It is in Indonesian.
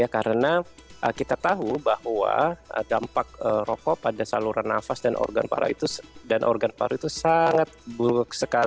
karena kita tahu bahwa dampak rokok pada saluran nafas dan organ paru itu sangat buruk sekali